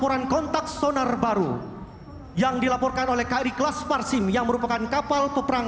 dan tidak bisa dihancurkan dengan kecepatan yang berbeda